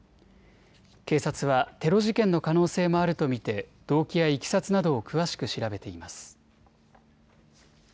警察はテロ事件の可能性もあると見て動機やいきさつなどを詳しく調べています。